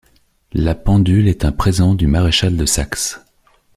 La pendule est un présent du maréchal de Saxe.